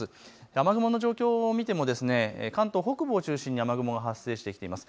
雨雲の状況を見ても関東北部を中心に雨雲が発生してきています。